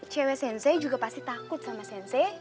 cewek sensei juga pasti takut sama sensei